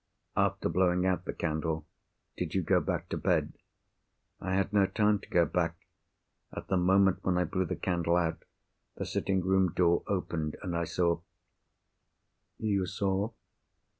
"After blowing out the candle, did you go back to bed?" "I had no time to go back. At the moment when I blew the candle out, the sitting room door opened, and I saw——" "You saw?"